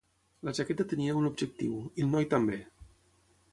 La jaqueta tenia un objectiu, i el noi també.